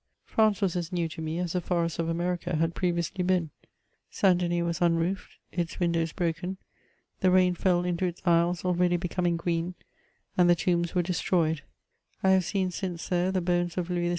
France was as new to me as the forests of America had pre viously been. St. Denis was unroofed, its windows broken, the rain fell into its aisles already becoming green, and the tombs were destroyed ; I have since seen there the bones of Louis XVI.